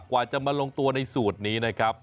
กว่าจะมาลงตัวในสูตรนี้นะครับ